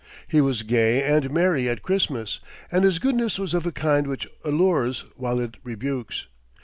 He was gay and merry at Christmas, and his goodness was of a kind which allures while it rebukes.